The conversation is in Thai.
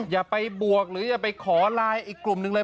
อย่าไปบวกหรืออย่าไปขอไลน์อีกกลุ่มหนึ่งเลย